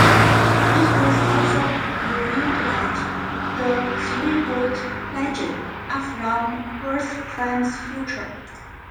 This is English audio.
It was also revealed that the Threeboot Legion are from Earth-Prime's future.